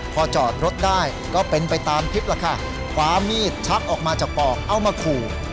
พอจอดรถได้ก็เป็นไปตามคลิปล่ะค่ะคว้ามีดชักออกมาจากปอกเอามาขู่